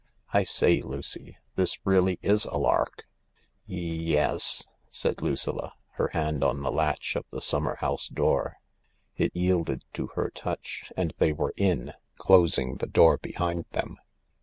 I say, Lucy, this really is a lark." " Ye — yes," said Lucilla, her hand on the latch of the summer house door. It yielded to her touch and they were in, closing the door behind them.